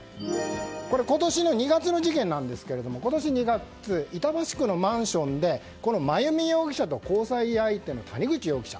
今年の２月の事件なんですが板橋区のマンションで真弓容疑者と交際相手の谷口容疑者